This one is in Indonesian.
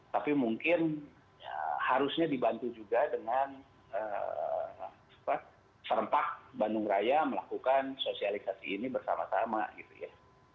tapi mungkin harusnya dibantu juga dengan serempak bandung raya melakukan sosialisasi ini bersama sama gitu ya